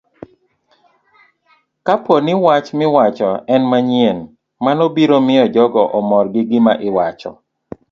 Kapo ni wach miwacho en manyien, mano biro miyo jogo omor gi gima iwacho.